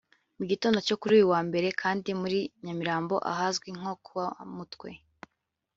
Mu gitondo cyo kuri uyu wa Mbere kandi muri Nyamirambo ahazwi nko kwa Mutwe